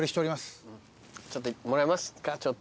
ちょっともらえますか？